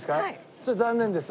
それ残念です。